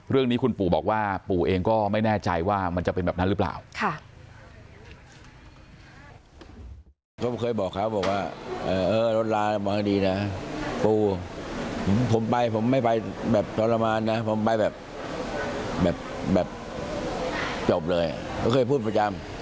เรื่องนี้คุณปู่บอกว่าปู่เองก็ไม่แน่ใจว่ามันจะเป็นแบบนั้นหรือเปล่า